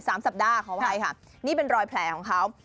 สามสัปดาห์ขออภัยค่ะนี่เป็นรอยแผลของเขา